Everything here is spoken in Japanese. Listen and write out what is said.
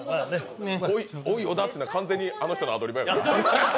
「おい、小田！」というのは完全にあの人のアドリブやから。